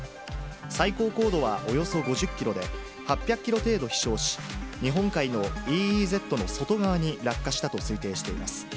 最高高度はおよそ５０キロで、８００キロ程度飛しょうし、日本海のＥＥＺの外側に落下したと推定しています。